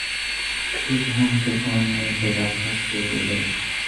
It is home to Colonel Richardson High School and Colonel Richardson Middle School.